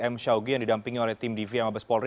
m syaogi yang didampingi oleh tim dvm abes polri